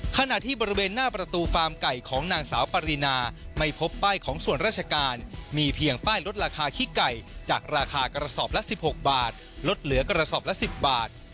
ขณะที่บริเวณหน้าประตูฟาร์มไก่ของนางสาวปรินาไม่พบป้ายของส่วนราชการมีเพียงป้ายลดราคาขี้ไก่จากราคากระสอบละ๑๖บาทลดเหลือกระสอบละ๑๐บาท